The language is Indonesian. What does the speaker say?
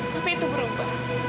tapi itu berubah